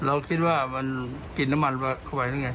เราคิดว่ามันกินน้ำมันเข้าไปหรือไง